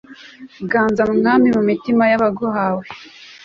r/ ganza mwami, mu mitima y'abaguhawe